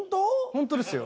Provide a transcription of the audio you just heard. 本当ですよ。